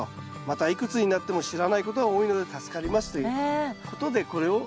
またいくつになっても知らないことが多いので助かりますということでこれを。